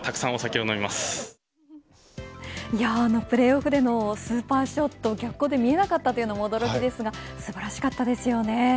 プレーオフでのスーパーショット、逆光で見えなかったというのも驚きですが素晴らしかったですよね。